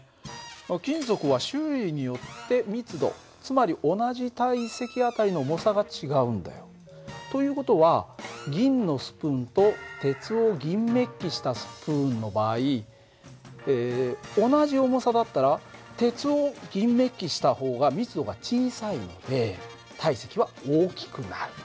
金属は種類によって密度つまり同じ体積あたりの重さが違うんだよ。という事は銀のスプーンと鉄を銀めっきしたスプーンの場合同じ重さだったら鉄を銀めっきした方が密度が小さいんで体積は大きくなる。